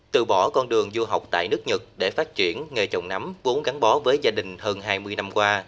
từ bỏ con đường du học tại nước nhật để phát triển nghề trồng nấm vốn gắn bó với gia đình hơn hai mươi năm qua